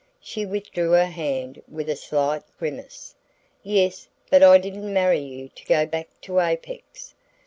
She withdrew her hand with a slight grimace. "Yes but I didn't marry you to go back to Apex!"